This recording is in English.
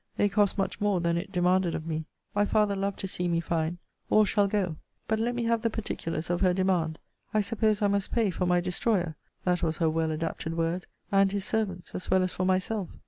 They cost much more than it demanded of me. My father loved to see me fine. All shall go. But let me have the particulars of her demand. I suppose I must pay for my destroyer [that was her well adapted word!] and his servants, as well as for myself.